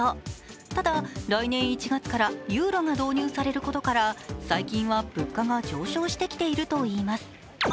ただ、来年１月からユーロが導入されることから最近は物価が上昇してきているといいます。